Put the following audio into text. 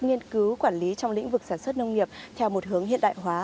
nghiên cứu quản lý trong lĩnh vực sản xuất nông nghiệp theo một hướng hiện đại hóa